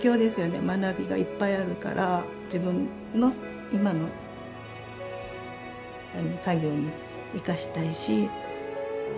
学びがいっぱいあるから自分の今の作業に生かしたいし。